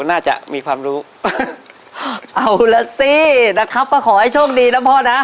น่าจะมีความรู้เอาล่ะสินะครับก็ขอให้โชคดีนะพ่อนะ